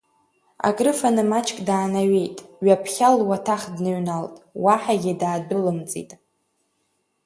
Акрыфаны маҷк даанеиҩеит, ҩаԥхьа луаҭах дныҩналт, уаҳагьы даадәылымҵит.